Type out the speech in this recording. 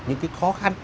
những cái khó khăn